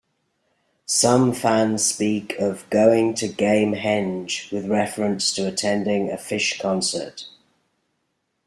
Some fans speak of "going to Gamehendge" with reference to attending a Phish concert.